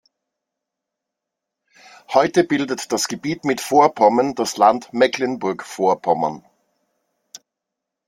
Heute bildet das Gebiet mit Vorpommern das Land Mecklenburg-Vorpommern.